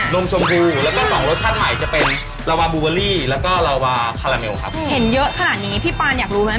นมชมพูแล้วก็สองรสชาติใหม่จะเป็นลาวาแล้วก็ครับเห็นเยอะขนาดนี้พี่ปานอยากรู้ไหม